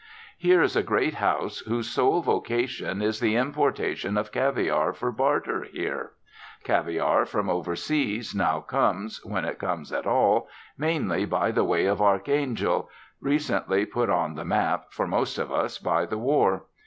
Here is a great house whose sole vocation is the importation of caviar for barter here. Caviar from over seas now comes, when it comes at all, mainly by the way of Archangel, recently put on the map, for most of us, by the war.